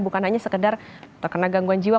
bukan hanya sekedar terkena gangguan jiwa